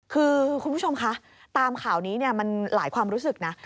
คือคุณผู้ชมคะตามข่าวนี้มันหลายความรู้สึกนะ